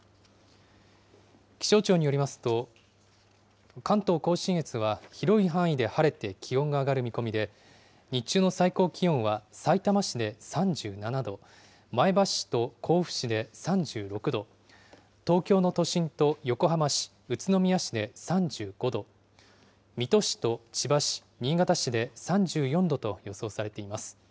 気象庁によりますと、関東甲信越は広い範囲で晴れて気温が上がる見込みで、日中の最高気温はさいたま市で３７度、前橋市と甲府市で３６度、東京の都心と横浜市、宇都宮市で３５度、水戸市と千葉市、新潟市で３４度と予想されています。